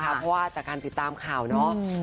เพราะว่าจากการติดตามข่าวเนาะ